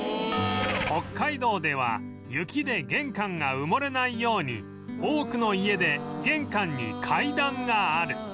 北海道では雪で玄関が埋もれないように多くの家で玄関に階段がある